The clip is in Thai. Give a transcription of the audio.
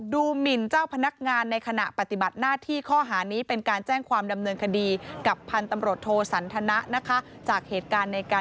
๖ดูหมินเจ้าพนักงานในขณะปฏิบัติหน้าที่ข้อหานี้เป็นการแจ้งความดำเนินคดีกับพันตำรดโทสันธนะนะคะ